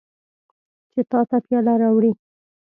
چې تا ته پیاله راوړي.